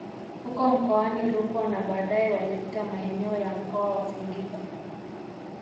Huko mkoani Rukwa na baadae walipita maeneo ya mkoa wa Singida